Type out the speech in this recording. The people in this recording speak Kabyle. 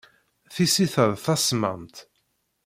Tissit-a d tasemmamt.